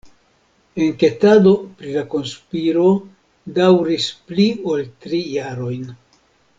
Enketado pri la konspiro daŭris pli ol tri jarojn.